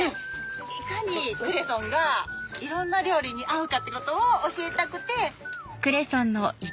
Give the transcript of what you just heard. いかにクレソンがいろんな料理に合うかっていうことを教えたくて。